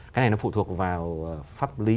cái này nó phụ thuộc vào pháp lý